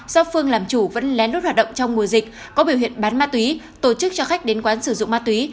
do phương làm chủ vẫn lén lút hoạt động trong mùa dịch có biểu hiện bán ma túy tổ chức cho khách đến quán sử dụng ma túy